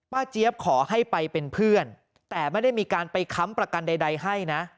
เจี๊ยบขอให้ไปเป็นเพื่อนแต่ไม่ได้มีการไปค้ำประกันใดให้นะ